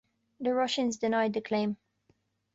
The Russians denied the claim.